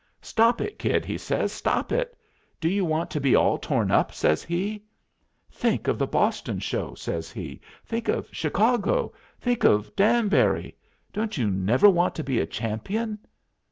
"Stop it, Kid," he says, "stop it. Do you want to be all torn up?" says he. "Think of the Boston Show," says he. "Think of Chicago. Think of Danbury. Don't you never want to be a champion?"